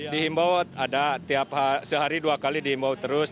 dihimbau ada tiap sehari dua kali diimbau terus